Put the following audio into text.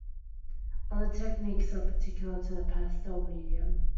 Other techniques are particular to the pastel medium.